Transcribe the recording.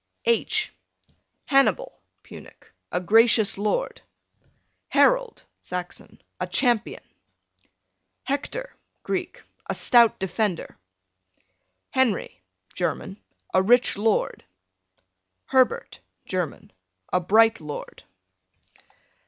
H Hannibal, Punic, a gracious lord. Harold, Saxon, a champion. Hector, Greek, a stout defender. Henry, German, a rich lord. Herbert, German, a bright lord.